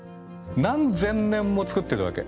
何千年も作ってるわけ。